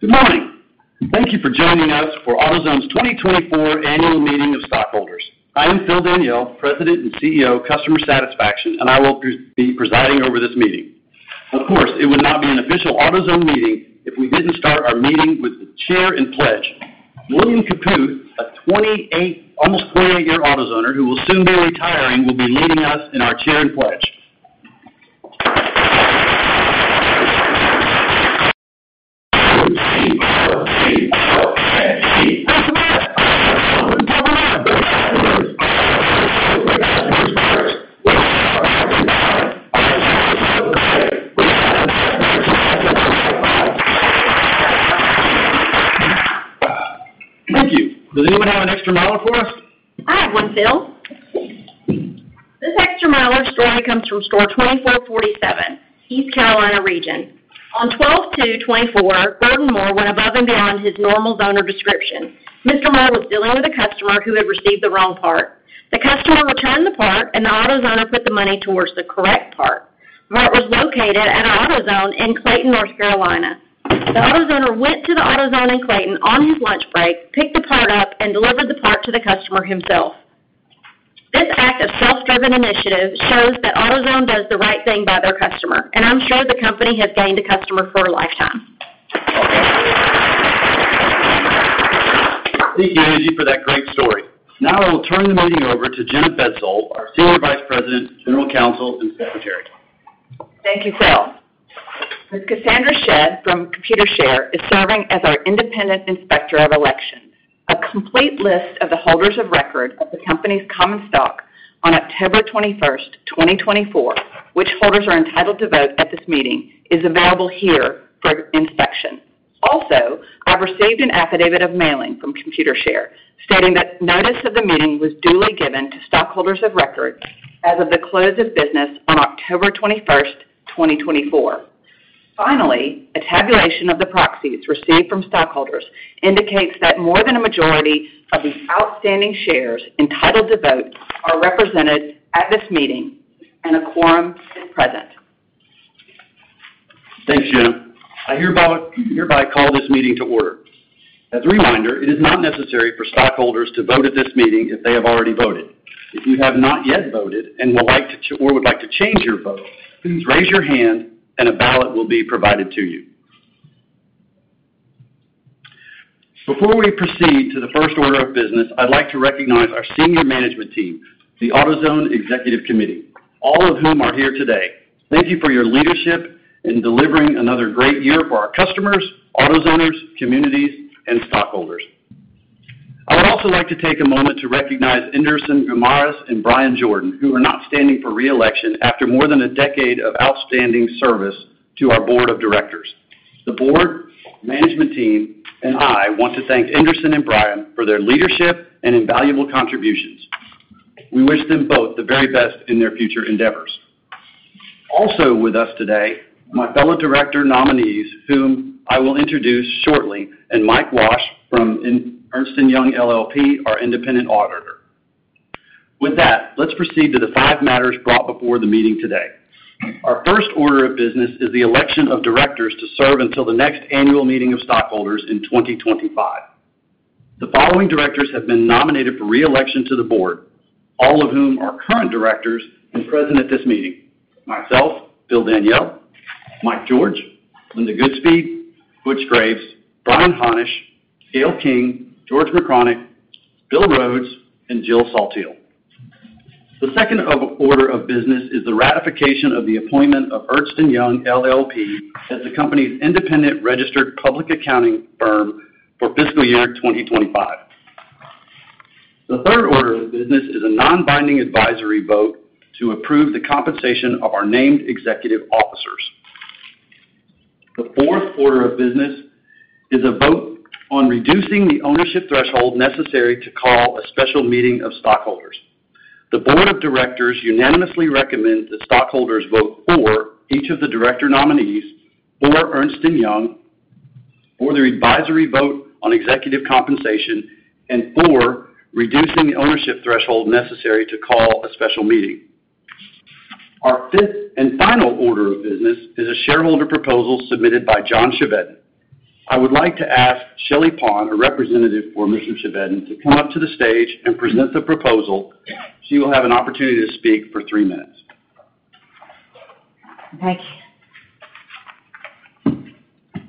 Good morning. Thank you for joining us for AutoZone's 2024 Annual Meeting of Stockholders. I am Phil Daniele, President and CEO of AutoZone, and I will be presiding over this meeting. Of course, it would not be an official AutoZone meeting if we didn't start our meeting with the cheer and pledge. William Caputh, an almost 48-year AutoZoner who will soon be retiring, will be leading us in our cheer and pledge. Thank you. Does anyone have an Extra Mile for us? I have one, Phil. This extra mile or story comes from store 2447, East Carolina Region. On 12/02/2024, Gordon Moore went above and beyond his normal owner description. Mr. Moore was dealing with a customer who had received the wrong part. The customer returned the part, and the AutoZoner put the money towards the correct part. The part was located at an AutoZone in Clayton, North Carolina. The AutoZoner went to the AutoZone in Clayton on his lunch break, picked the part up, and delivered the part to the customer himself. This act of self-driven initiative shows that AutoZone does the right thing by their customer, and I'm sure the company has gained a customer for a lifetime. Thank you, Angie, for that great story. Now I will turn the meeting over to Jenna Bedsole, our Senior Vice President, General Counsel, and Secretary. Thank you, Phil. Ms. Cassandra Shedd from Computershare is serving as our Independent Inspector of Elections. A complete list of the holders of record of the company's common stock on October 21st, 2024 which holders are entitled to vote at this meeting, is available here for inspection. Also, I've received an affidavit of mailing from Computershare stating that notice of the meeting was duly given to stockholders of record as of the close of business on October 21st, 2024. Finally, a tabulation of the proxies received from stockholders indicates that more than a majority of the outstanding shares entitled to vote are represented at this meeting and a quorum is present. Thanks, Jen. I hereby call this meeting to order. As a reminder, it is not necessary for stockholders to vote at this meeting if they have already voted. If you have not yet voted and would like to change your vote, please raise your hand, and a ballot will be provided to you. Before we proceed to the first order of business, I'd like to recognize our senior management team, the AutoZone Executive Committee, all of whom are here today. Thank you for your leadership in delivering another great year for our customers, AutoZoners, communities, and stockholders. I would also like to take a moment to recognize Enderson Guimaraes and Brian Jordan, who are not standing for reelection after more than a decade of outstanding service to our board of directors. The board, management team, and I want to thank Enderson Guimaraes and Brian for their leadership and invaluable contributions. We wish them both the very best in their future endeavors. Also with us today, my fellow director nominees, whom I will introduce shortly, and Mike Walsh from Ernst & Young LLP, our independent auditor. With that, let's proceed to the five matters brought before the meeting today. Our first order of business is the election of directors to serve until the next annual meeting of stockholders in 2025. The following directors have been nominated for reelection to the board, all of whom are current directors and present at this meeting: myself, Phil Daniele, Mike George, Linda Goodspeed, Butch Graves, Brian Hannasch, Gale V. King, George R. Mrkonic Jr., Bill Rhodes, and Jill A. Soltau. The second order of business is the ratification of the appointment of Ernst & Young LLP as the company's independent registered public accounting firm for fiscal year 2025. The third order of business is a non-binding advisory vote to approve the compensation of our named executive officers. The fourth order of business is a vote on reducing the ownership threshold necessary to call a special meeting of stockholders. The board of directors unanimously recommend that stockholders vote for each of the director nominees, for Ernst & Young, for the advisory vote on executive compensation, and for reducing the ownership threshold necessary to call a special meeting. Our fifth and final order of business is a shareholder proposal submitted by John Chevedden. I would like to ask Shelly Pond, a representative for Mr. Chevedden, to come up to the stage and present the proposal. She will have an opportunity to speak for three minutes. Thank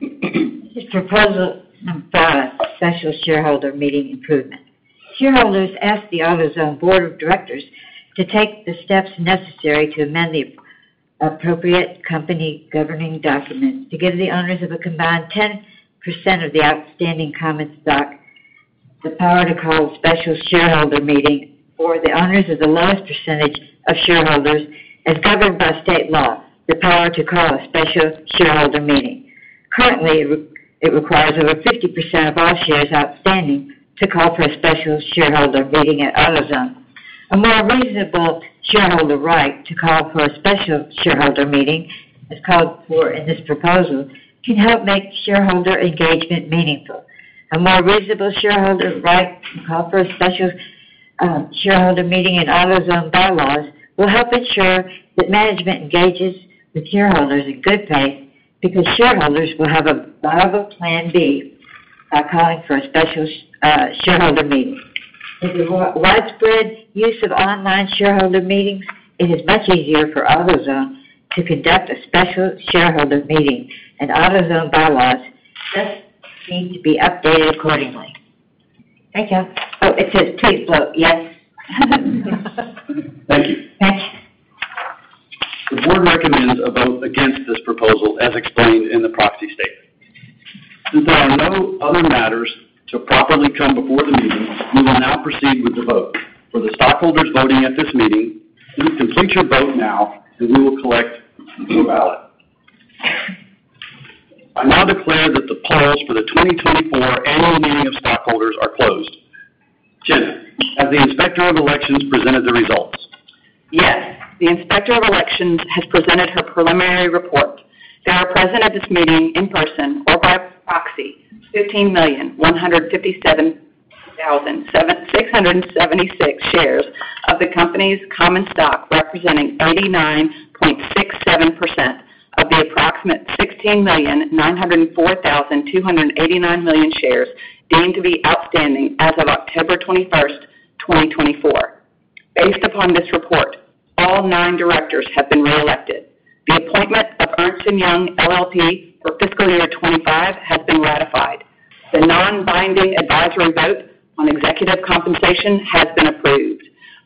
you. Mr. President, I'm for a special shareholder meeting improvement. Shareholders ask the AutoZone board of directors to take the steps necessary to amend the appropriate company governing document to give the owners of a combined 10% of the outstanding common stock the power to call a special shareholder meeting for the owners of the lowest percentage of shareholders as governed by state law, the power to call a special shareholder meeting. Currently, it requires over 50% of all shares outstanding to call for a special shareholder meeting at AutoZone. A more reasonable shareholder right to call for a special shareholder meeting, as called for in this proposal, can help make shareholder engagement meaningful. A more reasonable shareholder right to call for a special shareholder meeting in AutoZone bylaws will help ensure that management engages with shareholders in good faith because shareholders will have a viable plan B by calling for a special shareholder meeting. With the widespread use of online shareholder meetings, it is much easier for AutoZone to conduct a special shareholder meeting, and AutoZone bylaws just need to be updated accordingly. Thank you. Oh, it's a tweet float, yes. Thank you. Thank you. The board recommends a vote against this proposal, as explained in the proxy statement. Since there are no other matters to properly come before the meeting, we will now proceed with the vote. For the stockholders voting at this meeting, please complete your vote now, and we will collect your ballot. I now declare that the polls for the 2024 Annual Meeting of Stockholders are closed. Jenna, has the Inspector of Elections presented the results? Yes. The Inspector of Elections has presented her preliminary report. There are present at this meeting in person or by proxy 15,157,676 shares of the company's common stock, representing 89.67% of the approximate 16,904,289 shares deemed to be outstanding as of October 21st, 2024. Based upon this report, all nine directors have been reelected. The appointment of Ernst & Young LLP for fiscal year '25 has been ratified. The non-binding advisory vote on executive compensation has been approved.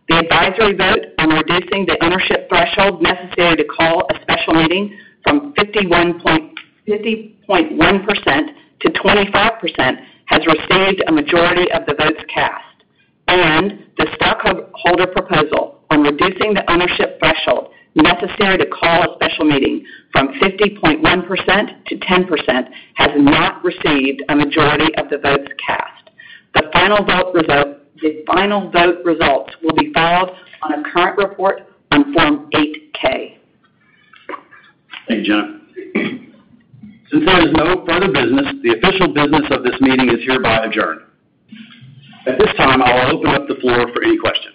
The advisory vote on reducing the ownership threshold necessary to call a special meeting from 50.`1% to 25 has received a majority of the votes cast. And the stockholder proposal on reducing the ownership threshold necessary to call a special meeting from 50.1% to 10 has not received a majority of the votes cast. The final vote results will be filed on a current report on Form 8-K. Thank you, Jenna. Since there is no further business, the official business of this meeting is hereby adjourned. At this time, I will open up the floor for any questions.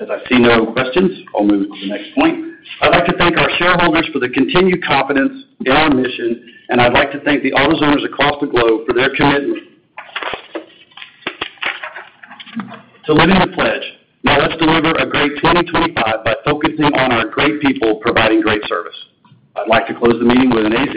As I see no questions, I'll move to the next point. I'd like to thank our shareholders for the continued confidence in our mission, and I'd like to thank the AutoZoners across the globe for their commitment to living the pledge. Now let's deliver a great 2025 by focusing on our great people providing great service. I'd like to close the meeting with an AZ.